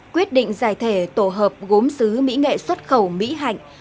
quyết định giải thể tổ hợp gốm xứ mỹ nghệ xuất khẩu mỹ hạnh